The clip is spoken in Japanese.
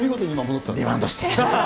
リバウンドして。